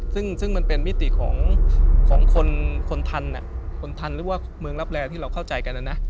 ซึ่งมันเป็นมิติของคนทันคนทันหรือว่าเมืองรับแร่ที่เราเข้าใจกันนะนะ